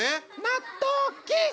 納豆キス！